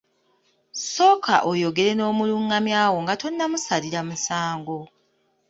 Sooka oyogere n'omulungamyawo nga tonnamusalira musango.